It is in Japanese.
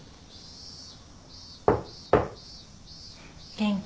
・元気？